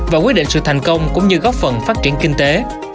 và quyết định sự thành công cũng như góp phần phát triển kinh tế